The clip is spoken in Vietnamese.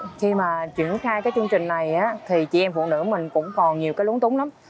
thật ra khi mà chuyển khai cái chương trình này thì chị em phụ nữ của mình cũng còn nhiều cái lúng túng lắm